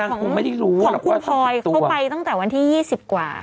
อย่างของครูพลอยเขาก็ไปตั้งแต่วันที่๒๐กว่า